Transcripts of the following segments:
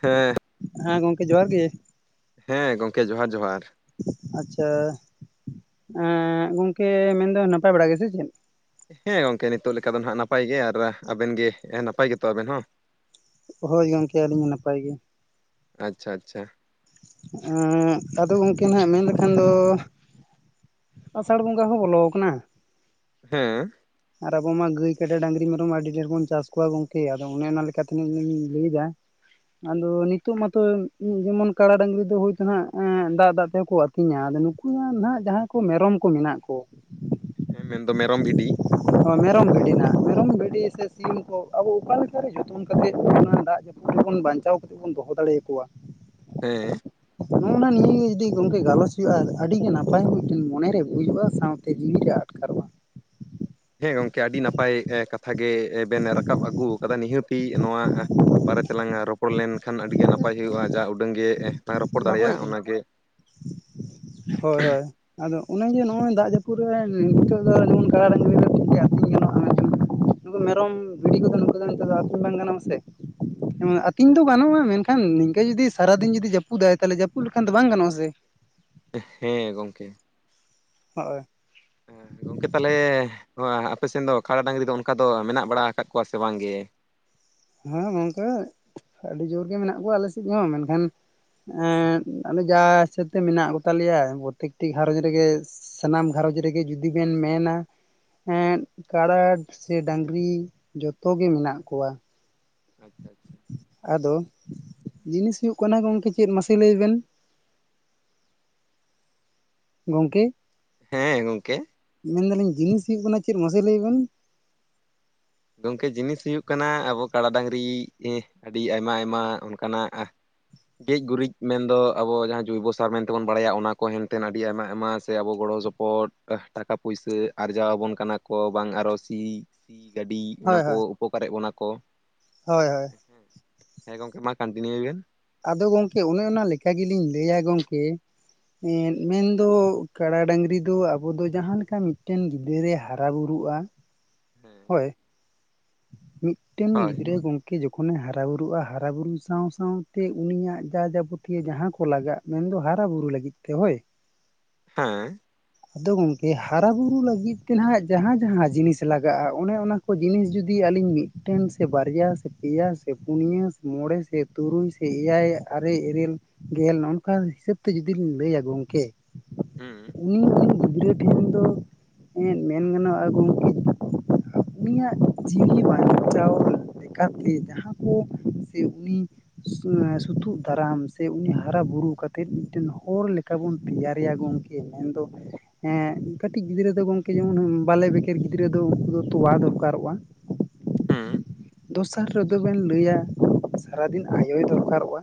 ᱦᱮᱸ ᱦᱮᱸ ᱜᱚᱝᱠᱮ ᱡᱚᱦᱟᱨ ᱜᱮ᱾ ᱦᱮᱸ ᱜᱚᱢᱠᱮ ᱡᱚᱸᱦᱟᱨ ᱡᱚᱸᱦᱟᱨ᱾ ᱟᱪᱪᱷᱟ ᱮ ᱜᱚᱝᱠᱮ ᱢᱮᱱ ᱫᱟ ᱱᱟᱯᱟᱭ ᱵᱟᱲᱟ ᱜᱮᱥᱮ ᱪᱮᱫ? ᱦᱮᱸ ᱜᱚᱝᱠᱮ ᱱᱤᱛᱚᱜ ᱞᱮᱠᱟ ᱫᱚ ᱱᱟᱯᱟᱭ ᱜᱮ ᱟᱨ ᱟᱵᱮᱱ ᱜᱮ ᱱᱟᱯᱟᱭ ᱜᱮᱛᱚ ᱟᱵᱮᱱ ᱦᱚᱸ? ᱦᱳᱸᱭ ᱜᱚᱝᱠᱮ ᱟᱹᱞᱤᱧ ᱦᱚᱸ ᱱᱟᱯᱟᱭ ᱜᱮ᱾ ᱟᱪᱪᱷᱟ ᱟᱪᱪᱷᱟ ᱟᱫᱚ ᱜᱚᱢᱠᱮ ᱦᱮᱸ ᱱᱟᱜ ᱢᱮᱱ ᱞᱮᱠᱷᱟᱱ ᱫᱚ, ᱟᱥᱟᱲ ᱵᱚᱸᱜᱟ ᱦᱚᱸ ᱵᱚᱞᱚ ᱟᱠᱟᱱᱟ᱾ ᱦᱮᱸ ᱟᱨ ᱟᱵᱚᱢ ᱢᱟ ᱜᱟᱹᱭ ᱠᱟᱰᱟ ᱰᱟᱝᱨᱤ ᱢᱮᱨᱚᱢ ᱟᱹᱰᱤ ᱰᱷᱮᱨ ᱵᱚᱱ ᱪᱟᱥ ᱠᱚᱣᱟ ᱜᱚᱝᱠᱮ ᱟᱫᱚ ᱚᱱᱮ ᱚᱱᱟ ᱞᱮᱠᱟᱛᱮ ᱞᱤᱧ ᱞᱟᱹᱭ ᱫᱟ ᱟᱫᱚ ᱱᱤᱛᱚᱜ ᱢᱟᱛᱚ ᱡᱮᱢᱚᱱ ᱠᱟᱲᱟ ᱰᱟᱝᱨᱤ ᱫᱚ ᱦᱳᱭᱛᱳ ᱦᱟᱜ ᱫᱟᱜ ᱫᱟᱜ ᱛᱮᱦᱚᱸ ᱠᱚ ᱟᱛᱤᱧᱟ ᱟᱫᱚ ᱱᱩᱠᱩᱣᱟᱜ ᱱᱟᱜ ᱡᱟᱸᱦᱟᱭ ᱠᱚ ᱢᱮᱨᱚᱢ ᱠᱚ ᱢᱮᱱᱟᱜ ᱠᱚ᱾ ᱦᱮᱸ ᱢᱮᱱᱫᱚ ᱢᱮᱨᱚᱢ ᱵᱷᱤᱰᱤ᱾ ᱢᱮᱨᱚᱢ ᱵᱷᱤᱰᱤ ᱱᱟᱜ ᱢᱮᱨᱚᱢ ᱵᱷᱤᱰᱤ ᱥᱮ ᱥᱤᱸᱢ ᱠᱚ ᱟᱵᱚ ᱚᱠᱟ ᱞᱮᱠᱟᱨᱮ ᱡᱚᱛᱚᱱ ᱠᱟᱛᱮᱫ ᱚᱱᱟ ᱫᱟᱜ ᱡᱟᱯᱩᱫ ᱵᱟᱧᱪᱟᱣ ᱠᱟᱛᱮᱫ ᱵᱚᱱ ᱫᱚᱦᱚ ᱫᱟᱲᱮ ᱟᱠᱚᱣᱟ᱾ ᱦᱮᱸ ᱱᱚᱜᱼᱱᱟ ᱱᱤᱭ ᱜᱮ ᱡᱩᱫᱤ ᱜᱚᱝᱠᱮ ᱜᱟᱞᱚᱪ ᱦᱩᱭᱩᱜᱼᱟ ᱟᱹᱰᱤ ᱜᱮ ᱱᱟᱯᱟᱭ ᱢᱤᱫᱴᱤᱡ ᱢᱚᱱᱮᱨᱮ ᱵᱩᱡᱟᱹᱜᱼᱟ ᱥᱟᱶ ᱛᱮ ᱡᱤᱶᱤ ᱨᱮ ᱟᱴᱠᱟᱨᱚᱜᱼᱟ᱾ ᱦᱮᱸ ᱜᱚᱝᱠᱮ ᱟᱹᱰᱤ ᱱᱟᱯᱟᱭ ᱠᱟ ᱠᱟᱛᱷᱟᱜᱮ ᱵᱮᱱ ᱨᱟᱠᱟᱵ ᱟᱹᱜᱩ ᱟᱠᱟᱫᱟ ᱱᱤᱦᱟᱹᱛᱤ ᱱᱚᱣᱟ ᱵᱟᱨᱮ ᱛᱮᱞᱟᱝ ᱨᱚᱯᱚᱲ ᱞᱮᱱ ᱠᱷᱟᱱ ᱟᱹᱰᱤᱜᱮ ᱱᱟᱯᱟᱭ ᱦᱩᱭᱩᱜᱼᱟ ᱡᱟ ᱩᱰᱟᱹᱝ ᱜᱮ ᱞᱟᱝ ᱨᱚᱯᱚᱲ ᱵᱟᱠᱚ ᱦᱮᱡ ᱫᱟᱲᱮᱭᱟᱜᱼᱟ ᱠᱟᱱᱟ᱾ [unintelligible] ᱦᱳᱭ ᱦᱳᱭ ᱟᱫᱚ ᱚᱱᱟ ᱜᱮ ᱱᱚᱜᱼᱚᱭ ᱫᱟᱜ ᱡᱟᱹᱯᱩᱫ ᱨᱮ ᱱᱤᱛᱚᱜ ᱫᱚ ᱱᱚᱝᱠᱟ ᱠᱟᱰᱟ ᱰᱟᱝᱨᱤ ᱫᱚ ᱟᱹᱛᱤᱧ ᱜᱟᱱᱚᱜᱼᱟ ᱢᱮᱱᱠᱷᱟᱱ ᱱᱩᱠᱩ ᱢᱮᱨᱚᱢ ᱵᱷᱤᱰᱤ ᱠᱚᱫᱚ ᱱᱩᱠᱩ ᱠᱚᱫᱚ ᱟᱹᱛᱤᱧ ᱵᱟᱝ ᱜᱟᱱᱚᱜ ᱟᱥᱮ᱾ ᱟᱹᱛᱤᱧ ᱫᱚ ᱜᱟᱱᱚᱜᱼᱟ ᱢᱮᱱᱠᱷᱟᱱ ᱱᱤᱝᱠᱟᱹ ᱡᱩᱫᱤ ᱥᱟᱨᱟᱫᱤᱱ ᱡᱩᱫᱤ ᱡᱟᱹᱯᱩᱫ ᱟᱭ ᱛᱟᱦᱚᱞᱮ ᱡᱟᱹᱯᱩᱫ ᱞᱮᱠᱷᱟᱱ ᱫᱚ ᱵᱟᱝ ᱜᱟᱱᱚᱜᱼᱟ ᱥᱮ᱾ ᱦᱮᱸ ᱜᱚᱢᱠᱮ ᱦᱳᱭ ᱦᱮᱸ ᱜᱚᱝᱠᱮ ᱛᱟᱦᱚᱞᱮ ᱱᱚᱣᱟ ᱟᱯᱮᱥᱮᱱ ᱫᱚ ᱠᱟᱲᱟ ᱰᱟᱹᱝᱨᱤ ᱫᱚ ᱚᱱᱠᱟ ᱫᱚ ᱢᱮᱱᱟᱜ ᱵᱟᱲᱟ ᱟᱠᱟᱫ ᱠᱚᱣᱟ ᱥᱮ ᱵᱟᱝ ᱜᱮ? ᱦᱮᱸ ᱜᱚᱝᱠᱮ ᱟᱹᱰᱤ ᱡᱳᱨ ᱜᱮ ᱢᱮᱱᱟᱜ ᱠᱚᱣᱟ ᱟᱞᱮᱥᱮᱫ ᱦᱚᱸ ᱢᱮᱱᱠᱷᱟᱱ ᱮᱸ ᱟᱞᱮ ᱡᱟ ᱦᱤᱥᱟᱹᱵ ᱛᱮ ᱢᱮᱱᱟᱜ ᱠᱚᱛᱟᱞᱮᱭᱟ ᱯᱨᱚᱛᱮᱠᱴᱤ ᱜᱷᱟᱨᱚᱸᱧᱡᱽ ᱨᱮᱜᱮ ᱥᱟᱱᱟᱢ ᱜᱷᱟᱨᱚᱸᱡᱽ ᱨᱮᱜᱮ ᱡᱩᱫᱤ ᱵᱮᱱ ᱢᱮᱱᱟ ᱮᱸ ᱠᱟᱬᱟ ᱥᱮ ᱰᱟᱝᱨᱤ ᱡᱚᱛᱚ ᱜᱮ ᱢᱮᱱᱟᱜ ᱠᱚᱣᱟ ᱟᱪᱪᱷᱟ ᱟᱪᱪᱷᱟ ᱟᱫᱚ ᱡᱤᱱᱤᱥ ᱦᱩᱭᱩᱜ ᱠᱟᱱᱟ ᱜᱚᱝᱠᱮ ᱪᱮᱫ ᱢᱟᱥᱮ ᱞᱟᱹᱭ ᱵᱮᱱ ᱜᱚᱝᱠᱮ ᱦᱮᱸ ᱜᱚᱢᱠᱮ ᱢᱮᱱᱫᱟᱞᱤᱧ ᱡᱤᱱᱤᱥ ᱦᱩᱭᱩᱜ ᱠᱟᱱᱟ ᱪᱮᱫ ᱢᱟᱥᱮ ᱞᱟᱹᱭ ᱵᱮᱱ ᱜᱚᱢᱠᱮ ᱡᱤᱱᱤᱥ ᱦᱩᱭᱩᱜ ᱠᱟᱱᱟ ᱟᱵᱚ ᱠᱟᱲᱟ ᱰᱟᱝᱨᱤ ᱮᱸᱦ ᱟᱹᱰᱤ ᱟᱭᱢᱟ ᱟᱭᱢᱟ ᱚᱱᱠᱟᱱᱟᱜ ᱜᱮᱡ ᱜᱩᱨᱤᱡ ᱢᱮᱱᱫᱚ ᱟᱵᱚ ᱡᱟᱦᱟᱸ ᱡᱳᱭᱵᱚ ᱥᱟᱨ ᱢᱮᱱᱛᱮᱵᱚᱱ ᱵᱟᱲᱟᱭᱟ ᱚᱱᱟ ᱠᱚ ᱦᱮᱱᱛᱮᱱ ᱟᱹᱰᱤ ᱟᱭᱢᱟ ᱟᱭᱢᱟ ᱥᱮ ᱟᱵᱚ ᱜᱚᱲᱚ ᱥᱚᱯᱚᱦᱚᱫ ᱯᱚᱴ ᱴᱟᱠᱟ ᱯᱩᱭᱥᱟᱹ ᱟᱨᱡᱟᱣ ᱟᱵᱚᱱ ᱠᱟᱱᱟ ᱠᱚ ᱵᱟᱝ ᱟᱨᱚ ᱥᱤ ᱥᱤ ᱜᱟᱹᱰᱤ ᱚᱱᱟ ᱦᱳᱭ ᱠᱚ ᱦᱳᱭ ᱩᱯᱚᱠᱟᱨᱮᱫ ᱵᱚᱱᱟ ᱠᱚ ᱦᱳᱭ ᱦᱳᱭ ᱦᱮᱸ ᱦᱮᱸ ᱜᱚᱢᱠᱮ ᱢᱟ ᱠᱚᱱᱴᱤᱱᱤᱭᱩᱭ ᱵᱮᱱ ᱟᱫᱚ ᱜᱚᱢᱠᱮ ᱚᱱᱮ ᱚᱱᱟ ᱞᱮᱠᱟ ᱜᱮᱞᱤᱧ ᱞᱟᱹᱭᱟ ᱜᱚᱢᱠᱮ ᱮ ᱢᱮᱱᱫᱚ ᱠᱟᱰᱟ ᱰᱟᱹᱝᱨᱤ ᱫᱚ ᱟᱵᱚ ᱫᱚ ᱡᱟᱦᱟᱸᱞᱮ ᱞᱮᱠᱟ ᱢᱤᱫᱴᱮᱱ ᱜᱤᱫᱽᱟᱹᱨᱮ ᱦᱟᱨᱟ ᱵᱩᱨᱩᱜᱼᱟ᱾ [inaudible] ᱦᱳᱭ ᱢᱤᱫᱴᱮᱱ ᱦᱳᱭ ᱜᱤᱫᱽᱨᱟᱹ ᱜᱚᱝᱠᱮ ᱠᱤ ᱡᱚᱠᱷᱚᱱᱮ ᱦᱟᱨᱟ ᱵᱩᱨᱩᱜᱼᱟ ᱦᱟᱨᱟ ᱵᱩᱨᱩ ᱥᱟᱶ ᱥᱟᱶᱛᱮ ᱩᱱᱤᱭᱟᱜ ᱡᱟ ᱡᱟᱵᱚᱛᱤᱭᱚ ᱡᱟᱦᱟᱸ ᱠᱚ ᱞᱟᱜᱟᱜᱼᱟ ᱢᱮᱱᱫᱚ ᱦᱟᱨᱟ ᱵᱩᱨᱩ ᱞᱟᱹᱜᱤᱫ ᱛᱮ ᱦᱳᱭ᱾ ᱦᱮᱸ ᱟᱫᱚ ᱜᱚᱝᱠᱮ ᱦᱟᱨᱟ ᱵᱩᱨᱩ ᱞᱟᱹᱜᱤᱫ ᱛᱮ ᱱᱟᱦᱟᱜ ᱡᱟᱦᱟᱸ ᱡᱟᱦᱟᱸ ᱡᱤᱱᱤᱥ ᱞᱟᱜᱟᱜᱼᱟ ᱚᱱᱮ ᱚᱱᱟ ᱠᱚ ᱡᱤᱱᱤᱥ ᱡᱩᱫᱤ ᱡᱩᱫᱤ ᱟᱹᱞᱤᱧ ᱢᱤᱫᱴᱮᱱ ᱥᱮ ᱵᱟᱨᱭᱟ ᱥᱮ ᱯᱮᱭᱟ ᱥᱮ ᱯᱩᱱᱭᱟ ᱥᱮ ᱢᱚᱬᱮ ᱥᱮ ᱛᱩᱨᱩᱭ ᱮᱭᱟᱭ ᱟᱨᱮ ᱤᱨᱟᱹᱞ ᱜᱮᱞ ᱱᱚᱝᱠᱟ ᱦᱤᱥᱟᱹᱵ ᱛᱮ ᱡᱩᱫᱤ ᱞᱤᱧ ᱞᱟᱹᱭᱟ ᱜᱚᱢᱠᱮ ᱦᱩᱸ ᱩᱱᱤ ᱤᱱᱤ ᱜᱤᱫᱽᱨᱟᱹ ᱴᱷᱮᱱ ᱫᱚ ᱮ ᱢᱮᱱ ᱜᱟᱱᱚᱜᱼᱟ ᱜᱚᱢᱠᱮ ᱩᱱᱤᱭᱟᱜ ᱡᱤᱣᱤ ᱵᱟᱧᱪᱟᱣ ᱞᱮᱠᱟᱛᱮ ᱡᱟᱦᱟᱸ ᱠᱚ ᱥᱮ ᱩᱱᱤ ᱥᱩᱛᱩᱜ ᱫᱟᱨᱟᱢ ᱥᱮ ᱩᱱᱤ ᱦᱟᱨᱟ ᱵᱩᱨᱩ ᱠᱟᱛᱮᱜ ᱢᱤᱫᱴᱮᱱ ᱦᱚᱲ ᱞᱮᱠᱟ ᱵᱚᱱ ᱛᱮᱭᱟᱨᱮᱭᱟ ᱜᱚᱝᱠᱮ ᱮ ᱢᱮᱱᱫᱚ ᱦᱮᱸ ᱠᱟᱹᱴᱤᱡ ᱜᱤᱫᱽᱨᱟᱹ ᱫᱚ ᱜᱚᱝᱠᱮ ᱡᱮᱢᱚᱱ ᱵᱟᱞᱮ ᱵᱮᱠᱮᱨ ᱜᱤᱫᱽᱨᱟᱹ ᱫᱚ ᱩᱱᱠᱩ ᱫᱚ ᱛᱚᱣᱟ ᱫᱚᱨᱠᱟᱨᱚᱜᱼᱟ᱾ ᱦᱮᱸ ᱫᱚᱥᱟᱨ ᱨᱮᱫᱚ ᱵᱮᱱ ᱞᱟᱹᱭᱟ ᱥᱟᱨᱟᱫᱤᱱ ᱟᱭᱳᱭ ᱫᱚᱨᱠᱟᱨᱚᱜᱼᱟ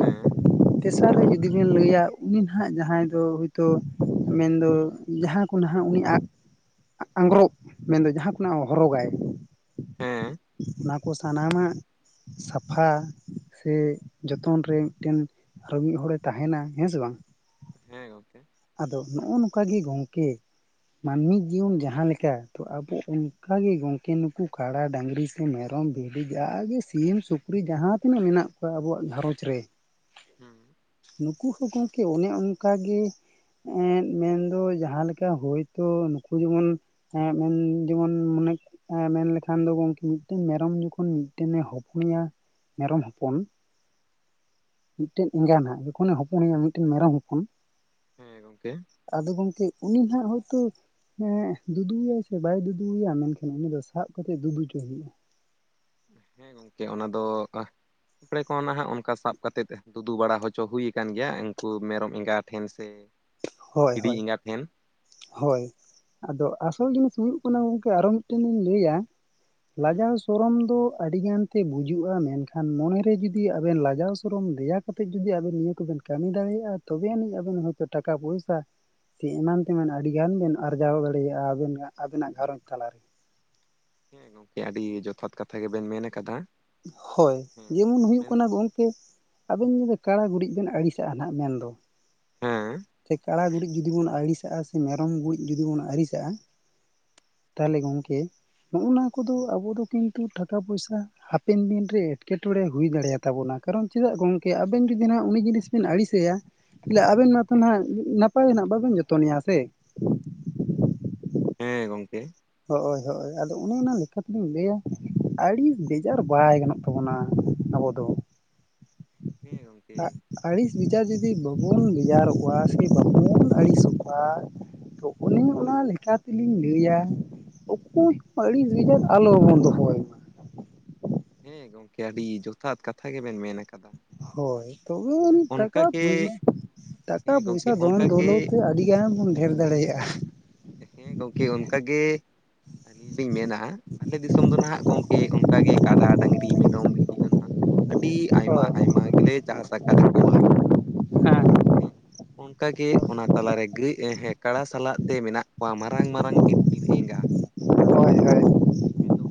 ᱦᱮᱸ ᱛᱮᱥᱟᱨ ᱨᱮ ᱡᱩᱫᱤ ᱵᱤᱱ ᱞᱟᱹᱭᱟ ᱩᱱᱤ ᱱᱟᱦᱟᱜ ᱡᱟᱦᱟᱸᱭ ᱫᱚ ᱦᱳᱭᱛᱳ ᱢᱮᱱᱫᱚ ᱡᱟᱦᱟᱸ ᱠᱚ ᱱᱟᱦᱟᱜ ᱩᱱᱤ ᱟ ᱟᱸᱜᱽᱨᱚᱵ ᱢᱮᱱᱫᱚ ᱡᱟᱦᱟᱸ ᱠᱚᱱᱟᱜ ᱦᱚᱨᱚᱜᱟᱭ ᱦᱮᱸ ᱚᱱᱟ ᱠᱚ ᱥᱟᱱᱟᱢᱟᱜ ᱥᱟᱯᱷᱟ ᱥᱮ ᱡᱚᱛᱚᱱ ᱨᱮ ᱢᱤᱫᱴᱮᱱ ᱟᱨᱚ ᱢᱤᱫ ᱦᱚᱲᱮ ᱛᱟᱦᱮᱱᱟ ᱦᱮᱸ ᱥᱮ ᱵᱟᱝ ᱦᱮᱸ ᱜᱚᱢᱠᱮ ᱟᱫᱚ ᱱᱚᱜᱼᱚ ᱱᱚᱝᱠᱟ ᱜᱮ ᱜᱚᱝᱠᱮ ᱢᱟᱹᱱᱢᱤ ᱡᱤᱭᱚᱱ ᱡᱟᱦᱟᱸ ᱞᱮᱠᱟ ᱛᱚ ᱟᱵᱚ ᱚᱱᱠᱟᱜ ᱜᱮ ᱜᱚᱝᱠᱮ ᱱᱩᱠᱩ ᱠᱟᱰᱟ ᱰᱟᱝᱨᱤ ᱥᱮ ᱢᱮᱨᱚᱢ ᱵᱷᱤᱰᱤ ᱡᱟᱦᱟᱜᱮ ᱥᱤᱢ ᱥᱩᱠᱨᱤ ᱡᱟᱦᱟᱸ ᱛᱤᱱᱟᱹᱜ ᱢᱮᱱᱟᱜ ᱠᱚᱣᱟ ᱟᱵᱚᱣᱟᱜ ᱜᱷᱟᱨᱚᱸᱡᱽ ᱨᱮ ᱦᱮᱸ ᱱᱩᱠᱩ ᱦᱚᱸ ᱜᱚᱝᱠᱮ ᱚᱱᱮ ᱚᱱᱠᱟ ᱜᱮ ᱮᱸᱜ ᱢᱮᱱᱫᱚ ᱡᱟᱦᱟᱸᱞᱮᱠᱟ ᱦᱳᱭᱛᱳ ᱱᱩᱠᱩ ᱡᱮᱢᱚᱱ ᱦᱮᱸ ᱢᱮᱱ ᱡᱮᱢᱚᱱ ᱢᱚᱱᱮ ᱮ ᱢᱮᱱᱞᱮᱠᱷᱟᱱ ᱫᱚ ᱜᱚᱝᱠᱮ ᱢᱤᱫᱴᱮᱱ ᱢᱮᱨᱚᱢ ᱡᱚᱠᱷᱚᱱ ᱢᱤᱫᱴᱮᱱᱮ ᱦᱚᱯᱚᱱᱮᱭᱟ ᱢᱮᱨᱚᱢ ᱦᱚᱯᱚᱱ ᱢᱤᱫᱴᱮᱱ ᱮᱸᱜᱟᱱᱟᱜ ᱡᱚᱠᱷᱚᱱᱮ ᱦᱚᱯᱚᱱᱮᱭᱟ ᱢᱤᱫᱴᱮᱱ ᱢᱮᱨᱚᱢ ᱦᱚᱯᱚᱱ ᱦᱮᱸ ᱜᱚᱝᱠᱮ ᱟᱫᱚ ᱜᱚᱝᱠᱮ ᱩᱱᱤ ᱱᱟᱦᱟᱸᱜ ᱦᱚᱭᱛᱳ ᱮᱸᱜ ᱫᱩᱫᱩᱣᱟᱭᱟᱭ ᱥᱮ ᱵᱟᱭ ᱫᱩᱫᱩᱣᱟᱭᱟ ᱢᱮᱱᱠᱷᱟᱱ ᱩᱱᱤ ᱫᱚ ᱥᱟᱵ ᱠᱟᱛᱮᱫ ᱫᱩᱫᱩ ᱪᱚᱭ ᱦᱩᱭᱩᱜᱼᱟ ᱦᱮᱸ ᱜᱚᱝᱠᱮ ᱚᱱᱟ ᱫᱚ ᱲᱮ ᱠᱚ ᱱᱟᱦᱟᱸᱜ ᱚᱱᱠᱟ ᱥᱟᱵ ᱠᱟᱛᱮᱫ ᱫᱩᱫᱩ ᱵᱟᱲᱟ ᱦᱚᱪᱚ ᱦᱩᱭ ᱟᱠᱟᱱ ᱜᱮᱭᱟ ᱮᱝᱠᱚ ᱢᱮᱨᱚᱢ ᱮᱸᱜᱟ ᱴᱷᱮᱱ ᱥᱮ ᱦᱳᱭ ᱵᱷᱤᱰᱤ ᱦᱳᱭ ᱮᱸᱜᱟ ᱴᱷᱮᱱ ᱦᱳᱭ ᱟᱫᱚ ᱟᱥᱚᱞ ᱡᱤᱱᱤᱥ ᱦᱩᱭᱩᱜ ᱠᱟᱱᱟ ᱜᱚᱝᱠᱮ ᱟᱨᱚ ᱢᱤᱫᱴᱮᱱ ᱤᱧ ᱞᱮᱭᱟ ᱦᱮᱸ ᱞᱟᱡᱟᱣ ᱥᱚᱨᱚᱢ ᱫᱚ ᱟᱹᱰᱤᱜᱟᱱ ᱛᱮ ᱵᱩᱡᱩᱜᱼᱟ ᱢᱮᱱᱠᱷᱟᱱ ᱢᱚᱱᱮᱨᱮ ᱡᱩᱫᱤ ᱟᱵᱮᱱ ᱞᱟᱡᱟᱣ ᱥᱚᱨᱚᱢ ᱫᱮᱭᱟ ᱠᱟᱛᱮᱫ ᱡᱩᱫᱤ ᱟᱵᱮᱱ ᱱᱤᱭᱟᱹ ᱠᱚᱵᱮᱱ ᱠᱟᱹᱢᱤ ᱫᱟᱲᱮᱭᱟᱜᱼᱟ ᱛᱚᱵᱮ ᱟᱹᱱᱤᱡ ᱟᱵᱮᱱ ᱦᱚᱭᱛᱚ ᱴᱟᱠᱟ ᱯᱚᱭᱥᱟ ᱥᱮ ᱮᱢᱟᱱ ᱛᱮᱢᱮᱱ ᱟᱹᱰᱤ ᱜᱟᱱ ᱵᱮᱱ ᱟᱨᱡᱟᱣ ᱫᱟᱲᱮᱭᱟᱜᱼᱟ ᱟᱵᱮᱱ ᱟᱵᱮᱱᱟᱜ ᱜᱷᱟᱨᱚᱸᱡᱽ ᱛᱟᱞᱟᱨᱮ ᱦᱮᱸ ᱜᱚᱝᱠᱮ ᱟᱹᱰᱤ ᱡᱚᱛᱷᱟᱛ ᱠᱟᱛᱷᱟ ᱜᱮᱵᱮᱱ ᱢᱮᱱ ᱟᱠᱟᱫᱟ ᱦᱳᱭ ᱦᱮᱸ ᱡᱮᱢᱚᱱ ᱦᱩᱭᱩᱜ ᱢᱮᱱ ᱠᱟᱱᱟ ᱜᱚᱝᱠᱮ ᱟᱵᱤᱱ ᱡᱩᱫᱤ ᱠᱟᱲᱟ ᱜᱩᱨᱤᱡ ᱵᱮᱱ ᱟᱹᱲᱤᱥᱟᱜᱼᱟ ᱱᱟᱦᱟᱸᱜ ᱢᱮᱱᱫᱚ ᱦᱮᱸ ᱥᱮ ᱠᱟᱲᱟ ᱜᱩᱨᱤᱡ ᱡᱩᱫᱤ ᱵᱚᱱ ᱟᱹᱲᱤᱥᱟᱜᱼᱟ ᱥᱮ ᱢᱮᱨᱚᱢ ᱜᱩᱨᱤᱡ ᱡᱩᱫᱤ ᱵᱚᱱ ᱟᱹᱲᱤᱥᱟᱜᱼᱟ ᱛᱟᱦᱚᱞᱮ ᱜᱚᱝᱠᱮ ᱱᱚᱜᱼᱚ ᱱᱟ ᱠᱚᱫᱚ ᱟᱵᱚ ᱫᱚ ᱠᱤᱱᱛᱩ ᱴᱟᱠᱟ ᱯᱚᱭᱥᱟ ᱦᱟᱯᱮᱱ ᱫᱤᱱ ᱨᱮ ᱮᱸᱴᱠᱮᱴᱚᱬᱮ ᱦᱩᱭ ᱫᱟᱲᱮᱭᱟᱛᱟᱵᱚᱱᱟ ᱠᱟᱨᱚᱱ ᱪᱮᱫᱟᱜ ᱜᱚᱝᱠᱮ ᱟᱵᱮᱱ ᱡᱩᱫᱤ ᱱᱟᱦᱟᱸᱜ ᱩᱱᱤ ᱡᱤᱱᱤᱥ ᱵᱮᱱ ᱟᱹᱲᱤᱥᱮᱭᱟ ᱛᱟᱞᱦᱮ ᱟᱵᱮᱱ ᱢᱟᱛᱚ ᱱᱟᱜ ᱱᱟᱯᱟᱭ ᱱᱟᱜ ᱵᱟᱵᱮᱱ ᱡᱚᱛᱚᱱᱮᱭᱟ ᱥᱮ ᱦᱮᱸ ᱜᱚᱝᱠᱮ ᱦᱚᱭ ᱦᱚᱭ ᱟᱫᱚ ᱚᱱᱮ ᱚᱱᱟ ᱞᱮᱠᱟ ᱞᱮᱠᱟᱛᱤᱞᱤᱧ ᱞᱮᱭᱟ ᱟᱹᱲᱤᱥ ᱵᱮᱡᱟᱨ ᱵᱟᱭ ᱜᱟᱱᱚᱜ ᱛᱟᱵᱚᱱᱟ ᱟᱵᱚ ᱫᱚ ᱦᱮᱸ ᱜᱚᱝᱠᱮ ᱟᱹᱲᱤᱥ ᱵᱮᱡᱟᱨ ᱡᱩᱫᱤ ᱵᱟᱵᱚᱱ ᱵᱮᱡᱟᱨᱚᱜᱼᱟ ᱥᱮ ᱵᱟᱵᱚᱱ ᱟᱹᱲᱤᱥᱚᱜᱼᱟ ᱛᱚ ᱩᱱᱮ ᱚᱱᱟ ᱞᱮᱠᱟ ᱛᱤᱞᱤᱧ ᱞᱮᱭᱟ ᱚᱠᱚᱭ ᱦᱚ ᱟᱹᱲᱤᱥ ᱵᱮᱡᱟᱨ ᱟᱞᱚ ᱵᱚᱱ ᱫᱚᱦᱚᱭ ᱢᱟ ᱦᱮᱸ ᱜᱚᱝᱠᱮ ᱟᱹᱰᱤ ᱡᱚᱛᱷᱟᱛ ᱠᱟᱛᱷᱟ ᱜᱮᱵᱮᱱ ᱢᱮᱱ ᱟᱠᱟᱫᱟ ᱦᱳᱭ ᱛᱚᱵᱮᱭ ᱟᱹᱱᱤᱡ ᱴᱟᱠᱟ ᱚᱱᱠᱟᱜᱮ ᱯᱚᱭ ᱴᱟᱠᱟ ᱦᱮᱸ ᱜᱚᱝᱠᱮ ᱯᱚᱭᱥᱟ ᱫᱷᱚᱱ ᱚᱱᱠᱟᱜᱮ ᱫᱚᱞᱳᱛ ᱛᱮ ᱟᱹᱰᱤ ᱜᱟᱱ ᱵᱚᱱ ᱰᱷᱮᱨ ᱫᱟᱲᱮᱭᱟᱜᱼᱟ ᱦᱮᱸ ᱜᱚᱝᱠᱮ ᱚᱱᱠᱟᱜ ᱜᱮ ᱟᱹᱞᱤᱧ ᱞᱤᱧ ᱢᱮᱱᱟ ᱟᱞᱮ ᱫᱤᱥᱚᱢ ᱫᱚ ᱱᱟᱦᱟᱸᱜ ᱜᱚᱝᱠᱮ ᱚᱱᱠᱟᱜ ᱜᱮ ᱠᱟᱰᱟ ᱰᱟᱝᱨᱤ ᱢᱮᱨᱚᱢ ᱵᱷᱤᱰᱤ ᱫᱚ ᱱᱟᱦᱟᱸᱜ ᱟᱹᱰᱤ ᱟᱭᱢᱟ ᱦᱳᱭ ᱟᱭᱢᱟ ᱜᱮᱞᱮ ᱪᱟᱥ ᱟᱠᱟᱫ ᱠᱚᱣᱟ ᱦᱮᱸ ᱦᱮᱸ ᱚᱱᱠᱟᱜᱮ ᱚᱱᱟ ᱛᱟᱞᱟᱨᱮ ᱜᱟᱹᱭ ᱮᱸ ᱦᱮᱸ ᱠᱟᱲᱟ ᱥᱟᱞᱟᱜ ᱛᱮ ᱢᱮᱱᱟᱜ ᱠᱚᱣᱟ ᱢᱟᱨᱟᱝ ᱢᱟᱨᱟᱝ ᱵᱤᱛᱠᱤᱞ ᱮᱸᱜᱟ ᱦᱳᱭ ᱦᱳᱭ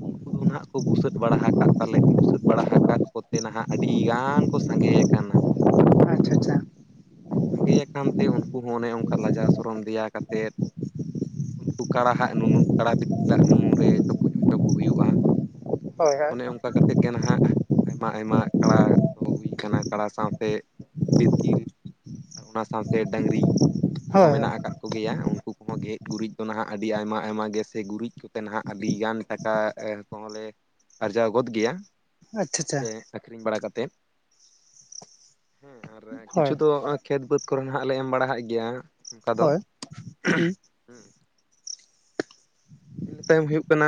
ᱩᱱᱠᱩ ᱫᱚ ᱱᱟᱦᱟᱸᱜ ᱠᱚ ᱵᱩᱥᱟᱹᱜ ᱵᱟᱲᱟ ᱦᱟᱠᱟᱜ ᱛᱟᱞᱮ ᱵᱩᱥᱟᱹᱜ ᱵᱟᱲᱟ ᱦᱟᱠᱟᱫ ᱠᱚᱛᱮ ᱱᱟᱦᱟᱸᱜ ᱟᱹᱰᱤᱜᱟᱱ ᱠᱚ ᱥᱟᱸᱜᱮ ᱠᱟᱱᱟ ᱟᱪᱪᱷᱟ ᱟᱪᱪᱷᱟ ᱥᱟᱸᱜᱮᱭᱟᱠᱟᱱ ᱛᱮ ᱩᱱᱠᱩ ᱦᱚᱸ ᱚᱱᱮ ᱚᱝᱠᱟ ᱞᱟᱡᱟᱣ ᱥᱚᱨᱚᱨᱚᱢ ᱫᱮᱭᱟ ᱠᱟᱛᱮᱫ ᱩᱱᱠᱩ ᱠᱟᱲᱟᱦᱟᱜ ᱱᱩᱱᱩ ᱠᱟᱲᱟ ᱵᱤᱛᱠᱤᱞᱟᱜ ᱱᱩᱱᱩ ᱨᱮ ᱪᱚᱯᱚᱡ ᱦᱚᱪᱚ ᱠᱚ ᱦᱩᱭᱩᱜᱼᱟ ᱦᱳᱭ ᱦᱳᱭ ᱚᱱᱮ ᱚᱝᱠᱟ ᱠᱟᱛᱮᱫ ᱜᱮ ᱱᱟᱦᱟᱸᱜ ᱟᱭᱢᱟ ᱟᱭᱢᱟ ᱠᱟᱲᱟ ᱠᱚ ᱦᱩᱭ ᱟᱠᱟᱱᱟ ᱠᱟᱲᱟ ᱥᱟᱶᱛᱮ ᱵᱤᱛᱠᱤᱞ ᱟᱨ ᱚᱱᱟ ᱥᱟᱶᱛᱮ ᱰᱟᱹᱝᱨᱤ ᱠᱚᱦᱚᱸ ᱦᱳᱭ ᱦᱳᱭ ᱢᱮᱱᱟᱜ ᱟᱠᱟᱫ ᱠᱚᱜᱮᱭᱟ ᱩᱱᱠᱩ ᱦᱚᱸ ᱜᱮᱡ ᱜᱩᱨᱤᱡ ᱫᱚ ᱱᱟᱦᱟᱸᱜ ᱟᱹᱰᱤ ᱟᱭᱢᱟ ᱟᱭᱢᱟ ᱜᱮ ᱥᱮ ᱜᱩᱨᱤᱡ ᱠᱚᱛᱮ ᱱᱟᱦᱟᱸᱜ ᱟᱹᱰᱤ ᱜᱟᱱ ᱴᱟᱠᱟ ᱮ ᱠᱚᱦᱚᱸ ᱞᱮ ᱟᱨᱡᱟᱣ ᱜᱚᱫᱽ ᱜᱮᱭᱟ ᱟᱪᱪᱷᱟ ᱟᱪᱪᱷᱟ ᱥᱮ ᱟᱠᱷᱨᱤᱧ ᱵᱟᱲᱟ ᱠᱟᱛᱮᱫ ᱦᱮᱸ ᱟᱨ ᱠᱤᱪᱷᱩ ᱦᱳᱭ ᱫᱚ ᱠᱷᱮᱛ ᱵᱟᱹᱫᱽ ᱠᱚᱨᱮ ᱱᱟᱦᱟᱸᱜ ᱞᱮ ᱮᱢ ᱵᱟᱲᱟᱦᱟᱜ ᱜᱮᱭᱟ ᱚᱝᱠᱟ ᱫᱚ ᱦᱳᱭ ᱦᱩᱸ ᱤᱱᱟᱹ ᱛᱟᱭᱚᱢ ᱦᱩᱭᱩᱜ ᱠᱟᱱᱟ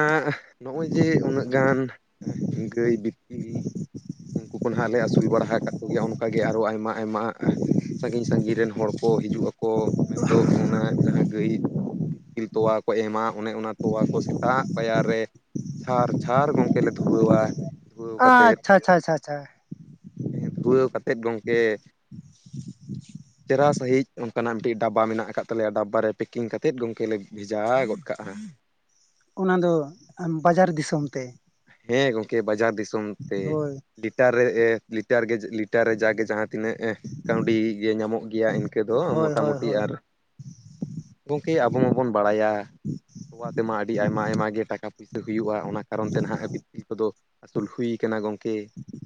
ᱱᱚᱜᱼᱚᱭ ᱡᱮ ᱩᱱᱟᱹᱜ ᱜᱟᱱ ᱜᱟᱹᱭ ᱵᱤᱛᱠᱤᱞ ᱩᱱᱠᱩ ᱠᱚ ᱱᱟᱜ ᱞᱮ ᱟᱹᱥᱩᱞ ᱵᱟᱲᱟ ᱟᱠᱟᱫ ᱠᱚᱜᱮᱭᱟ ᱚᱱᱠᱟ ᱜᱮ ᱟᱨᱚ ᱟᱭᱢᱟ ᱟᱭᱢᱟ ᱥᱟᱜᱤᱧ ᱥᱟᱜᱤᱧ ᱨᱮᱱ ᱦᱚᱲ ᱠᱚ ᱦᱤᱡᱩᱜ ᱟᱠᱚ ᱢᱮᱱ ᱫᱚ ᱚᱱᱟ ᱡᱟᱦᱟᱸ ᱜᱟᱹᱭ ᱵᱤᱛᱠᱤᱞ ᱛᱚᱣᱟ ᱠᱚ ᱮᱢᱟ ᱚᱱᱮ ᱚᱱᱟ ᱛᱚᱣᱟ ᱠᱚ ᱥᱮᱛᱟᱜ ᱯᱟᱭᱟᱨ ᱨᱮ ᱪᱷᱟᱨ ᱪᱷᱟᱨ ᱜᱚᱝᱠᱮ ᱞᱮ ᱫᱷᱩᱣᱟᱹᱣᱟ᱾ ᱫᱷᱩᱣᱟᱹᱣ ᱠᱟᱛᱮᱫ, ᱟᱪᱪᱷᱟ ᱟᱪᱪᱷᱟ ᱟᱪᱪᱷᱟ ᱟᱪᱪᱷᱟ ᱦᱮᱸ ᱫᱷᱩᱣᱟᱹᱣ ᱠᱟᱛᱮᱫ ᱜᱚᱝᱠᱮ ᱪᱮᱦᱨᱟ ᱥᱟᱹᱦᱤᱡ ᱚᱱᱠᱟᱱᱟᱜ ᱢᱤᱫ ᱴᱤᱡ ᱰᱟᱵᱵᱟ ᱢᱮᱱᱟᱜ ᱟᱠᱟᱫ ᱛᱟᱞᱮᱭᱟ ᱰᱟᱵᱵᱟ ᱨᱮ ᱯᱮᱠᱤᱝ ᱠᱟᱛᱮᱫ ᱜᱚᱝᱠᱮ ᱞᱮ ᱵᱷᱮᱡᱟ ᱜᱚᱫ ᱠᱟᱜᱼᱟ᱾ ᱚᱱᱟ ᱫᱚ ᱵᱟᱡᱟᱨ ᱫᱤᱥᱚᱢ ᱛᱮ ᱦᱮᱸ ᱜᱚᱝᱠᱮ ᱵᱟᱡᱟᱨ ᱫᱤᱥᱚᱢ ᱛᱮ ᱦᱳᱭ ᱞᱤᱴᱟᱨ ᱨᱮ ᱞᱤᱴᱟᱨ ᱜᱮ ᱞᱤᱴᱟᱨ ᱨᱮ ᱡᱟᱜᱮ ᱡᱟᱦᱟᱸ ᱛᱤᱱᱟᱹᱜ ᱦᱮᱸ ᱠᱟᱹᱣᱰᱤ ᱜᱮ ᱧᱟᱢᱚᱜ ᱜᱮᱭᱟ ᱤᱱᱠᱟᱹ ᱫᱚ ᱦᱳᱭ ᱢᱚᱴᱟ ᱦᱳᱭ ᱢᱩᱴᱤ ᱦᱳᱭ ᱟᱨ ᱜᱚᱝᱠᱮ ᱟᱵᱚ ᱢᱟᱸᱵᱚᱱ ᱵᱟᱲᱟᱭᱟ᱾ ᱛᱚᱣᱟ ᱛᱮᱢᱟ ᱟᱹᱰᱤ ᱟᱭᱢᱟ ᱟᱭᱢᱟ ᱜᱮ ᱴᱟᱠᱟ ᱯᱩᱭᱥᱟᱹ ᱦᱩᱭᱩᱜᱼᱟ ᱚᱱᱟ ᱠᱟᱨᱚᱱ [unintelligible] ᱠᱚᱫᱚ ᱟᱹᱥᱩᱞ ᱦᱩᱭ ᱠᱟᱱᱟ ᱜᱚᱝᱠᱮ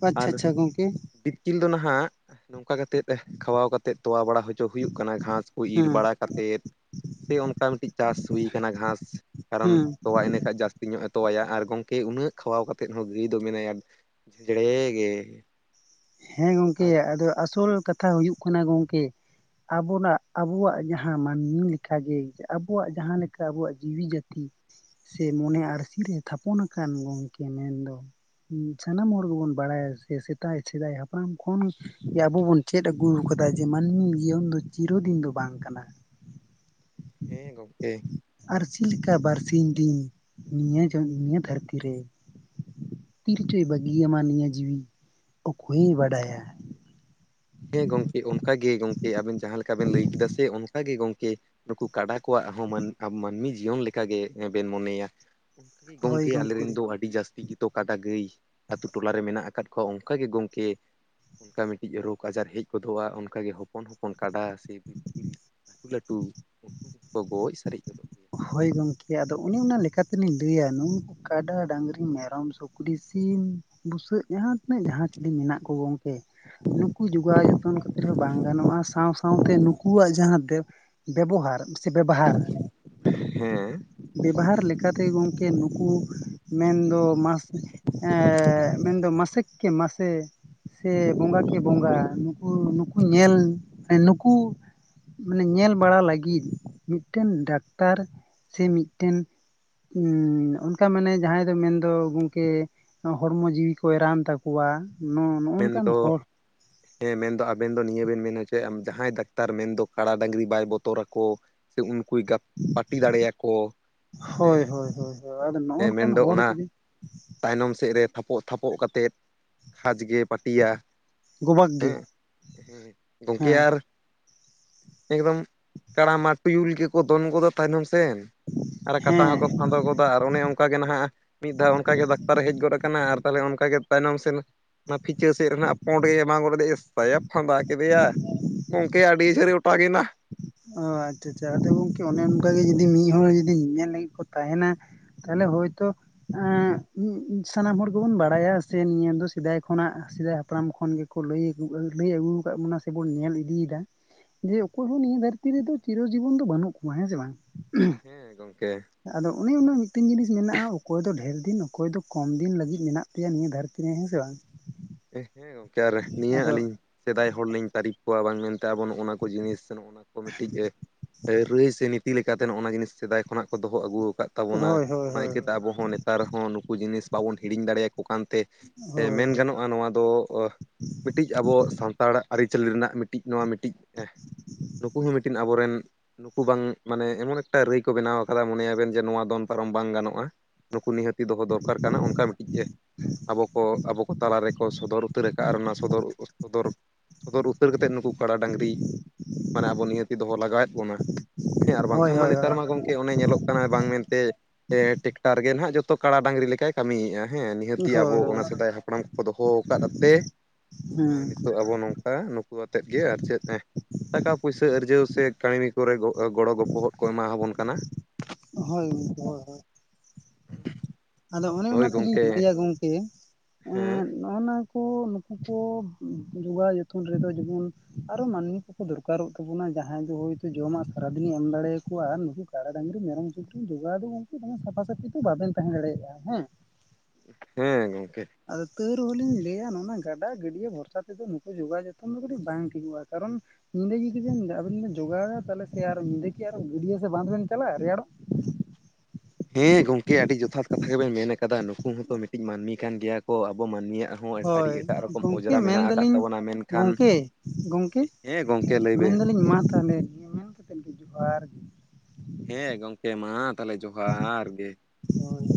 ᱟᱪᱪᱷᱟ ᱟᱨ ᱟᱪᱪᱷᱟ ᱜᱚᱝᱠᱮ ᱵᱤᱛᱠᱤᱞ ᱫᱚ ᱱᱟᱦᱟᱜ ᱱᱚᱝᱠᱟ ᱠᱟᱛᱮᱫ ᱠᱷᱟᱣᱟᱣ ᱠᱟᱛᱮᱜ ᱛᱚᱣᱟ ᱵᱟᱲᱟ ᱦᱚ ᱫᱚ ᱦᱩᱭᱩᱜ ᱠᱟᱱᱟ ᱜᱷᱟᱸᱥ ᱠᱚ ᱤᱨ ᱦᱮᱸ ᱵᱟᱲᱟ ᱠᱟᱛᱮᱫ ᱛᱮ ᱚᱱᱠᱟ ᱢᱤᱫ ᱴᱤᱡ ᱪᱟᱥ ᱦᱩᱭ ᱟᱠᱟᱱᱟ ᱜᱷᱟᱥ ᱠᱟᱨᱚᱱ ᱦᱩᱸ ᱛᱚᱣᱟ ᱤᱱᱟᱹ ᱠᱷᱟᱡ ᱡᱟᱹᱥ ᱛᱤ ᱧᱚᱜᱼᱮ ᱛᱚᱣᱟᱭᱟ ᱟᱨ ᱜᱚᱝᱠᱮ ᱩᱱᱟᱹᱜ ᱠᱷᱟᱣᱟᱣ ᱠᱟᱛᱮ ᱦᱚᱸ ᱜᱟᱹᱭ ᱫᱚ ᱢᱮᱱᱟᱭᱟ ᱡᱮᱧᱲᱮ ᱜᱮ᱾ ᱦᱮᱸ ᱜᱚᱝᱠᱮ ᱟᱨ ᱟᱫᱚ ᱟᱥᱚᱞ ᱠᱟᱛᱷᱟ ᱦᱩᱭᱩᱜ ᱠᱟᱱᱟ᱾ ᱜᱚᱝᱠᱮ ᱟᱵᱚᱱᱟᱜ ᱟᱵᱚᱣᱟᱜ ᱡᱟᱦᱟᱸ ᱢᱟᱹᱱᱢᱤ ᱞᱮᱴᱷᱟ ᱜᱮ ᱟᱵᱚᱣᱟᱜ ᱡᱟᱦᱟᱸ ᱞᱮᱠᱟ ᱟᱵᱩᱣᱟᱜ ᱡᱤᱣᱤ ᱡᱟᱹᱛᱤ ᱥᱮ ᱢᱚᱱᱮ ᱟᱹᱨᱥᱤ ᱨᱮ ᱛᱷᱟᱯᱚᱱ ᱟᱠᱟᱱ ᱜᱚᱢᱠᱮ ᱢᱮᱱ ᱫᱚ ᱦᱩᱸ ᱥᱟᱱᱟᱢ ᱦᱚᱲ ᱜᱮᱵᱚᱱ ᱟᱯᱮ ᱥᱮᱫᱟᱭ ᱥᱮᱫᱟᱭ ᱦᱟᱯᱲᱟᱢ ᱠᱷᱚᱱ ᱜᱮ ᱟᱵᱚ ᱵᱚᱱ ᱪᱮᱫ ᱟᱹᱜᱩ ᱟᱠᱟᱫᱟ ᱡᱮ ᱢᱟᱹᱱᱢᱤ ᱡᱤᱭᱚᱱ ᱫᱚ ᱪᱤᱨᱚ ᱫᱤᱱ ᱫᱚ ᱵᱟᱝ ᱠᱟᱱᱟ᱾ ᱦᱮᱸ ᱜᱚᱝᱠᱮ ᱟᱹᱨᱥᱤ ᱞᱮᱠᱟ ᱵᱟᱨᱥᱤᱧ ᱫᱤᱱ ᱱᱤᱭᱟᱹ ᱡᱚᱱᱚᱢ ᱤᱭᱟᱹ ᱫᱷᱟᱹᱨᱛᱤ ᱨᱮ ᱛᱤᱨᱪᱚᱭ ᱵᱟᱹᱜᱤ ᱟᱢ ᱱᱤᱭᱟᱹ ᱡᱤᱣᱤ? ᱚᱠᱚᱭᱮ ᱵᱟᱰᱟᱭᱟ? ᱦᱮᱸ ᱜᱚᱝᱠᱮ ᱚᱱᱠᱟ ᱜᱮ ᱜᱚᱢᱠᱮ ᱟᱵᱮᱱ ᱡᱟᱦᱟᱸ ᱞᱮᱠᱟ ᱵᱮᱱ ᱞᱟᱹᱭ ᱠᱮᱫᱟ ᱥᱮ ᱚᱱᱠᱟ ᱜᱮ ᱜᱚᱢᱠᱮ ᱱᱩᱠᱩ ᱠᱟᱰᱟ ᱠᱚᱣᱟᱜ ᱦᱚᱸ ᱢᱟᱹᱱᱢᱤ ᱡᱤᱭᱚᱱ ᱞᱮᱠᱟ ᱜᱮ ᱵᱮᱱ ᱢᱚᱱᱮᱭᱟ᱾ ᱜᱚᱝᱠᱮ ᱟᱞᱮ ᱨᱮᱱ ᱫᱚ ᱟᱹᱰᱤ ᱡᱟᱹᱥᱛᱤ ᱜᱮ ᱛᱚ ᱠᱟᱰᱟ ᱜᱟᱹᱭ ᱟᱛᱳ ᱴᱚᱞᱟ ᱨᱮ ᱢᱮᱱᱟᱜ ᱟᱠᱟᱫ ᱠᱚᱣᱟ ᱚᱱᱠᱟ ᱜᱮ ᱜᱚᱝᱠᱮ ᱚᱱᱠᱟ ᱢᱤᱫ ᱴᱤᱡ ᱨᱳᱜᱽ ᱨᱳᱜᱽ ᱟᱡᱟᱨ ᱦᱮᱡ ᱜᱚᱫᱚᱜᱼᱟ ᱚᱱᱠᱟ ᱜᱮ ᱦᱚᱯᱚᱱ ᱦᱚᱯᱚᱱ ᱠᱟᱰᱟ ᱥᱮ ᱵᱤᱛᱠᱤᱞ ᱞᱟᱹᱴᱩ ᱞᱟᱹᱴᱩ ᱩᱱᱠᱩ ᱠᱚᱠᱚ ᱜᱚᱡ ᱥᱟᱨᱮᱡ ᱜᱚᱫᱚᱜ ᱠᱟᱱᱟ᱾ ᱦᱳᱭ ᱜᱚᱝᱠᱮ ᱟᱫᱚ ᱚᱱᱮ ᱚᱱᱟ ᱞᱮᱠᱟ ᱛᱮᱞᱤᱧ ᱞᱟᱹᱭᱟ ᱠᱟᱰᱟ ᱰᱟᱹᱝᱨᱤ ᱢᱮᱨᱚᱢ ᱥᱩᱠᱨᱤ ᱥᱤᱢ ᱵᱩᱥᱟᱹᱜ ᱡᱟᱦᱟᱸ ᱛᱤᱱᱟᱹᱜ ᱡᱟᱦᱟᱸ ᱪᱤᱞᱤ ᱢᱮᱱᱟᱜ ᱠᱚ ᱜᱚᱝᱠᱮ ᱱᱩᱠᱩ ᱡᱚᱜᱟᱣ ᱡᱚᱛᱚᱱ ᱠᱟᱛᱮ ᱨᱮᱦᱚᱸ ᱵᱟᱝ ᱜᱟᱱᱚᱜᱼᱟ ᱥᱟᱶ ᱥᱟᱶ ᱛᱮ ᱱᱩᱠᱩᱣᱟᱜ ᱡᱟᱦᱟᱸᱫᱮᱵ ᱵᱮᱵᱚᱦᱟᱨ ᱥᱮ ᱵᱮᱵᱦᱟᱨ ᱦᱮᱸ ᱵᱮᱵᱦᱟᱨ ᱞᱮᱠᱟ ᱛᱮ ᱜᱚᱝᱠᱮ ᱱᱩᱠᱩ ᱢᱮᱱ ᱫᱚ ᱢᱟᱥ ᱮᱸ ᱢᱮᱱ ᱫᱚ ᱢᱟᱥᱮᱠ ᱠᱮ ᱢᱟᱥᱮ ᱥᱮ ᱵᱚᱸᱜᱟ ᱠᱤ ᱵᱚᱸᱜᱟ ᱱᱩᱠᱩ ᱱᱩᱠᱩ ᱧᱮᱞ ᱢᱟᱱᱮ ᱱᱩᱠᱩ ᱢᱟᱱᱮ ᱧᱮᱞ ᱵᱟᱲᱟ ᱞᱟᱹᱜᱤᱫ ᱢᱤᱫ ᱴᱮᱱ ᱰᱟᱠᱛᱟᱨ ᱥᱮ ᱢᱤᱫ ᱴᱮᱱ ᱚᱱᱠᱟ ᱢᱟᱱᱮ ᱡᱟᱦᱟᱸᱭ ᱫᱚ ᱢᱮᱱ ᱫᱚ ᱜᱚᱝᱠᱮ ᱦᱚᱲᱢᱚ ᱡᱤᱣᱤ ᱠᱚᱭ ᱨᱟᱱ ᱛᱟᱠᱚᱣᱟ ᱱᱚᱜ ᱱᱚᱝᱠᱟᱱ ᱢᱮᱱᱫᱚ ᱦᱚᱲ ᱦᱮᱸ ᱢᱮᱱ ᱫᱚ ᱟᱵᱮᱱ ᱫᱚ ᱱᱤᱭᱟᱹ ᱵᱮᱱ ᱢᱮᱱᱟ ᱡᱮ ᱡᱟᱦᱟᱸᱭ ᱰᱟᱠᱛᱟᱨ ᱢᱮᱱ ᱫᱚ ᱠᱟᱲᱟ ᱰᱟᱹᱝᱨᱤ ᱵᱟᱭ ᱵᱚᱛᱚᱨ ᱟᱠᱚ ᱥᱮ ᱩᱱᱠᱩᱭ ᱜᱟᱯ ᱯᱟᱴᱤ ᱫᱟᱲᱮᱭᱟ ᱠᱚ ᱦᱮᱸ ᱦᱳᱭ ᱦᱳᱭ ᱦᱳᱭ ᱦᱳᱭ ᱟᱫᱚ ᱱᱚᱜᱼᱚ ᱦᱮᱸ ᱢᱮᱱ ᱱᱚᱝᱠᱟᱱ ᱫᱚ ᱦᱚᱲ ᱚᱱᱟ ᱡᱩᱫᱤ ᱛᱟᱭᱱᱚᱢ ᱥᱮᱫ ᱨᱮ ᱛᱷᱟᱯᱚᱜ ᱛᱷᱟᱯᱚᱜ ᱠᱟᱛᱮᱫ ᱠᱷᱟᱪ ᱜᱮ ᱯᱟᱹᱴᱤᱭᱟ᱾ ᱜᱚᱵᱟᱜ ᱜᱮ ᱦᱮᱸ ᱦᱮᱸ ᱜᱚᱝᱠᱮ ᱦᱮᱸ ᱟᱨ ᱮᱠᱫᱚᱢ ᱠᱟᱲᱟ ᱢᱟ ᱴᱩᱭᱩᱞ ᱜᱮᱠᱚ ᱫᱚᱱ ᱜᱚᱫᱟ ᱛᱟᱭᱱᱚᱢ ᱥᱮᱱ ᱟᱨ ᱠᱟᱴᱟ ᱦᱮᱸ ᱦᱚᱸᱠᱚ ᱯᱷᱟᱸᱫᱚ ᱜᱚᱫᱟ ᱟᱨ ᱚᱱᱮ ᱚᱱᱠᱟᱜᱮ ᱱᱟᱦᱟᱜ ᱢᱤᱫ ᱫᱷᱟᱣ ᱚᱱᱠᱟᱜᱮ ᱰᱟᱠᱛᱟᱨᱮ ᱦᱮᱡ ᱜᱚᱫ ᱟᱠᱟᱱᱟ ᱟᱨ ᱛᱟᱦᱚᱞᱮ ᱚᱱᱠᱮ ᱛᱟᱭᱱᱚᱢ ᱥᱮᱱ ᱚᱱᱟ ᱯᱷᱤᱪᱟᱹ ᱥᱮᱫ ᱨᱮ ᱯᱳᱸᱰ ᱜᱮᱭ ᱮᱢᱟ ᱜᱚᱫ ᱞᱮᱫᱮᱭᱟ ᱮᱥᱟ ᱭᱟ ᱯᱷᱟᱸᱫᱟ ᱠᱮᱫᱮᱭᱟ ᱜᱚᱢᱠᱮ ᱟᱹᱰᱤ ᱡᱷᱟᱹᱞ ᱮ ᱚᱴᱟᱜ ᱮᱱᱟ ᱾ ᱚ ᱟᱪᱪᱷᱟ ᱟᱪᱪᱷᱟ ᱟᱫᱚ ᱜᱚᱝᱠᱮ ᱚᱱᱮ ᱚᱱᱠᱟᱜ ᱜᱮ ᱡᱩᱫᱤ ᱢᱤᱫ ᱦᱚᱲ ᱡᱩᱫᱤ ᱧᱮᱞ ᱞᱟᱹᱜᱤᱫ ᱠᱚ ᱛᱟᱦᱮᱱᱟ ᱛᱟᱦᱚᱞᱮ ᱦᱚᱭᱛᱳ ᱮᱸᱜ ᱥᱟᱱᱟᱢ ᱦᱚᱲ ᱜᱮᱵᱩᱱ ᱵᱟᱲᱟᱭᱟ ᱥᱮ ᱱᱤᱭᱟᱹ ᱫᱚ ᱥᱮᱫᱟᱭ ᱠᱷᱚᱱᱟᱜ ᱥᱮᱫᱟᱭ ᱦᱟᱯᱲᱟᱢ ᱠᱷᱚᱱ ᱜᱮ ᱞᱟᱹᱭ ᱞᱟᱹᱭ ᱟᱹᱜᱩ ᱟᱠᱟᱫ ᱵᱚᱱᱟ ᱥᱮᱵᱩᱱ ᱧᱮᱞ ᱤᱫᱤᱭᱮᱫᱟ ᱡᱮ ᱚᱠᱚᱭ ᱦᱚᱸ ᱱᱤᱭᱟᱹ ᱫᱷᱟᱹᱨᱛᱤ ᱫᱷᱟᱹᱨᱛᱤ ᱨᱮᱫᱚ ᱪᱤᱨᱚ ᱡᱤᱵᱚᱱ ᱫᱚ ᱵᱟᱹᱱᱩᱜ ᱠᱚᱣᱟ ᱦᱮᱸ ᱥᱮ ᱵᱟᱝ? ᱦᱮᱸ ᱜᱚᱝᱠᱮ ᱾ ᱟᱫᱚ ᱚᱱᱮ ᱩᱱᱟᱹᱜ ᱢᱤᱫᱴᱮᱱ ᱡᱤᱱᱤᱥ ᱢᱮᱱᱟᱜᱼᱟ᱾ ᱚᱠᱚᱭ ᱫᱚ ᱰᱷᱮᱨ ᱫᱤᱱ ᱚᱠᱚᱭ ᱫᱚ ᱠᱚᱢ ᱫᱤᱱ ᱞᱟᱹᱜᱤᱫ ᱢᱮᱱᱟᱜ ᱯᱮᱭᱟ ᱱᱤᱭᱟᱹ ᱫᱷᱟᱹᱨᱛᱤ ᱨᱮ ᱦᱮᱸᱥᱮ ᱵᱟᱝ? ᱦᱮᱸ ᱦᱮᱸ ᱜᱚᱢᱠᱮ ᱟᱨ ᱱᱤᱭᱟᱹ ᱟᱫᱚ ᱟᱹᱞᱤᱧ ᱥᱮᱫᱟᱭ ᱦᱚᱲ ᱞᱤᱧ ᱛᱟᱹᱨᱤᱯ ᱵᱟᱝ ᱢᱮᱱᱛᱮ ᱟᱵᱚ ᱱᱚᱜᱼᱟ ᱱᱚᱣᱟ ᱠᱚ ᱡᱤᱱᱤᱥ ᱥᱮ ᱱᱚᱜᱼᱟ ᱱᱚᱣᱟ ᱠᱚ ᱢᱤᱫᱴᱤᱡ ᱨᱟᱹᱭ ᱥᱮ ᱛᱤ ᱞᱮᱠᱟᱛᱮ ᱚᱱᱟ ᱡᱤᱱᱤᱥ ᱥᱮᱫᱟᱭ ᱠᱷᱚᱱᱟᱜ ᱠᱚ ᱫᱚᱦᱚ ᱟᱹᱜᱩ ᱟᱠᱟᱫ ᱛᱟᱵᱚᱱᱟ᱾ ᱦᱳᱭ ᱦᱳᱭ ᱚᱱᱟ ᱦᱳᱭ ᱠᱟᱹᱛᱮ ᱟᱵᱚᱸ ᱱᱮᱛᱟᱨ ᱦᱚᱸ ᱱᱩᱠᱩ ᱡᱤᱱᱤᱥ ᱵᱟᱵᱚᱱ ᱦᱤᱲᱤᱧ ᱫᱟᱲᱮᱭᱟᱠᱚ ᱠᱟᱱᱛᱮ ᱦᱳᱭ ᱢᱮᱱ ᱜᱟᱱᱚᱜᱼᱟ ᱱᱚᱣᱟ ᱫᱚ ᱢᱤᱫᱴᱤᱡ ᱟᱵᱚ ᱥᱟᱱᱛᱟᱲ ᱟᱹᱨᱤᱪᱟᱹᱞᱤ ᱨᱮᱱᱟᱜ ᱢᱤᱫᱴᱤᱱ ᱱᱚᱣᱟ ᱢᱤᱫᱴᱤᱡ ᱱᱩᱠᱩ ᱦᱚᱸ ᱢᱤᱫᱴᱤᱱ ᱟᱵᱚᱨᱮᱱ ᱱᱩᱠᱩ ᱵᱟᱝ ᱢᱟᱱᱮ ᱮᱢᱚᱱ ᱮᱠᱴᱟ ᱨᱟᱹᱭ ᱠᱚ ᱵᱮᱱᱟᱣ ᱠᱟᱫᱟ ᱢᱚᱱᱮᱭᱟᱵᱮᱱ ᱡᱮ ᱱᱚᱣᱟ ᱫᱚᱱ ᱯᱟᱨᱚᱢ ᱵᱟᱝ ᱜᱟᱱᱚᱜᱼᱟ ᱾ ᱱᱩᱠᱩ ᱱᱤᱦᱟᱹᱛᱤ ᱫᱚᱦᱚ ᱫᱚᱨᱠᱟᱨ ᱠᱟᱱᱟ ᱾ ᱚᱱᱠᱟ ᱢᱤᱫᱴᱤᱡ ᱮ ᱟᱵᱚ ᱠᱚ ᱟᱵᱚ ᱠᱚ ᱛᱟᱞᱟ ᱨᱮᱠᱚ ᱥᱚᱫᱚᱨ ᱩᱛᱟᱹᱨ ᱟᱠᱟᱫᱼᱟ ᱟᱨ ᱚᱱᱟ ᱥᱚᱫᱚᱨ ᱥᱚᱫᱚᱨ ᱥᱚᱫᱚᱨ ᱩᱛᱟᱹᱨ ᱠᱟᱛᱮᱫ ᱱᱩᱠᱩ ᱠᱟᱰᱟ ᱰᱟᱹᱝᱨᱤ-ᱼ ᱢᱟᱱᱮ ᱟᱵᱚ ᱱᱤᱦᱟᱹᱛᱤ ᱫᱚᱦᱚ ᱞᱟᱜᱟᱣᱮᱫ ᱵᱚᱱᱟ ᱦᱮᱸ ᱟᱨ ᱦᱳᱭ ᱦᱳᱭ ᱵᱟᱝᱠᱷᱟᱱ ᱢᱟ ᱱᱮᱛᱟᱨ ᱦᱳᱭ ᱢᱟ ᱜᱚᱝᱠᱮ ᱚᱱᱮ ᱧᱮᱞᱚᱜ ᱠᱟᱱᱟ ᱵᱟᱝ ᱢᱮᱱᱛᱮ ᱴᱮᱠᱴᱟᱨ ᱜᱮ ᱱᱟᱦᱟᱜ ᱡᱚᱛᱚ ᱠᱟᱲᱟ ᱰᱟᱹᱝᱨᱤ ᱞᱮᱠᱟᱭ ᱠᱟᱹᱢᱤᱭᱮᱜᱼᱟ᱾ ᱦᱮᱸ ᱱᱤᱦᱟᱹᱛᱤ ᱟᱵᱚ ᱦᱳᱭ ᱚᱱᱟ ᱥᱮᱫᱟᱭ ᱦᱟᱯᱲᱟᱢ ᱠᱚᱠᱚ ᱫᱚᱦᱚ ᱟᱠᱟᱫᱛᱮ ᱱᱚᱜᱚᱭ ᱱᱤᱛᱚᱜ ᱟᱵᱚ ᱱᱚᱝᱠᱟ ᱱᱩᱠᱩ ᱟᱛᱮᱫ ᱜᱮ ᱟᱨ ᱪᱮᱫ ᱴᱟᱠᱟ ᱯᱩᱭᱥᱟᱹ ᱟᱨᱡᱟᱹᱣ ᱥᱮ ᱠᱟᱹᱢᱤ ᱠᱚᱨᱮ ᱜᱚᱲᱚ ᱜᱚᱯᱚᱦᱚᱫ ᱠᱚ ᱮᱢᱟᱣᱟᱵᱚᱱ ᱠᱟᱱᱟ ᱾ ᱦᱳᱭ ᱜᱚᱝᱠᱮ ᱦᱳᱭ ᱦᱳᱭ ᱾᱾ [unintelligible] ᱟᱫᱚ ᱚᱱᱮ ᱦᱳᱭ ᱚᱱᱟ ᱛᱮᱞᱤᱧ ᱜᱚᱝᱠᱮ ᱞᱟᱹᱭᱟ ᱜᱚᱢᱠᱮ᱾ ᱦᱮᱸ ᱱᱚᱜᱼᱚ ᱱᱟᱠᱚ ᱱᱩᱠᱩ ᱠᱚ ᱡᱚᱜᱟᱣ ᱡᱚᱛᱚᱱ ᱨᱮᱫᱚ ᱡᱮᱢᱚᱱ ᱟᱨ ᱢᱟᱹᱱᱢᱤ ᱠᱚᱠᱚ ᱫᱚᱨᱠᱟᱨᱚᱜ ᱛᱟᱵᱚᱱᱟ ᱡᱟᱦᱟᱸᱭ ᱫᱚ ᱦᱟᱸᱜ ᱡᱚᱢᱟᱜ ᱥᱟᱨᱟᱫᱤᱱᱤ ᱮᱢ ᱫᱟᱲᱮᱭᱟᱠᱚᱣᱟ ᱱᱩ ᱠᱟᱨᱟ, ᱰᱟᱹᱝᱨᱤ, ᱢᱮᱨᱚᱢ, ᱥᱩᱠᱨᱤ ᱡᱚᱜᱟᱣ ᱫᱚ ᱜᱚᱢᱠᱮ ᱥᱟᱯᱷᱟ ᱥᱟᱹᱯᱷᱤ ᱫᱚ ᱵᱟᱵᱮᱱ ᱛᱟᱦᱮᱸ ᱫᱟᱲᱮᱭᱟᱜᱼᱟ ᱦᱮᱸ᱾ ᱦᱮᱸ ᱜᱚᱢᱠᱮ ᱾ ᱟᱫᱚ ᱛᱟᱹᱣ ᱨᱮᱦᱚ ᱞᱤᱧ ᱞᱟᱹᱭᱟ ᱱᱚᱜ ᱜᱟᱰᱟ ᱜᱟᱹᱰᱭᱟᱹ ᱵᱷᱚᱨᱥᱟ ᱛᱮᱫᱚ ᱱᱩᱠᱩ ᱡᱚᱜᱟᱣ ᱡᱚᱛᱚᱱ ᱫᱚ ᱠᱟᱹᱴᱤᱡ ᱵᱟᱝ ᱴᱷᱤᱠᱚᱜᱼᱟ ᱠᱟᱨᱚᱱ ᱩᱱᱤ ᱡᱩᱫᱤ ᱵᱮᱱ ᱟᱵᱮᱱ ᱵᱮᱱ ᱡᱚᱜᱟᱣ ᱮᱭᱟ ᱛᱟᱦᱚᱞᱮ ᱥᱮ ᱟᱨ ᱧᱤᱫᱟᱹ ᱠᱤ ᱟᱨ ᱜᱟᱹᱰᱭᱟᱹ ᱥᱮ ᱵᱟᱸᱫᱷ ᱵᱮᱱ ᱪᱟᱞᱟᱜᱼᱟ ᱨᱮᱭᱟᱲᱚᱜ? ᱦᱮᱸ ᱜᱚᱝᱠᱮ ᱟᱹᱰᱤ ᱡᱚᱛᱷᱟᱛ ᱠᱟᱛᱷᱟ ᱜᱮᱵᱮᱱ ᱢᱮᱱ ᱟᱠᱟᱫᱟ ᱱᱩᱠᱩ ᱦᱚᱸᱛᱚ ᱢᱤᱫᱴᱤᱡ ᱢᱟᱹᱱᱢᱤ ᱠᱟᱱ ᱜᱮᱭᱟ ᱠᱚ ᱟᱵᱚ ᱢᱟᱹᱱᱢᱤᱭᱟᱜ ᱦᱚᱸ ᱟᱹᱰᱤ ᱦᱳᱭ ᱮᱴᱟᱜ ᱨᱚᱠᱚᱢ ᱜᱚᱢᱠᱮ ᱚᱸᱡᱽᱨᱟ ᱢᱮᱱᱟᱜ ᱟᱠᱟᱫ ᱢᱮᱱᱫᱟᱞᱤᱧ ᱛᱟᱵᱚᱱᱟ ᱢᱮᱱᱠᱷᱟᱱ ᱜᱚᱢᱠᱮ ᱜᱚᱢᱠᱮ ᱦᱮᱸ ᱜᱚᱝᱠᱮ ᱞᱟᱹᱭ ᱢᱮᱱ ᱵᱮᱱ ᱫᱟᱹᱞᱤᱧ ᱢᱟ ᱛᱟᱦᱚᱞᱮ ᱢᱮᱱ ᱠᱟᱛᱮᱫ ᱜᱮ ᱡᱚᱦᱟᱨ ᱾ ᱦᱮᱸ ᱜᱚᱢᱠᱮ ᱢᱟ ᱛᱟᱦᱚᱞᱮ ᱡᱚᱦᱟᱨ ᱜᱮ ᱾ ᱦᱳᱭ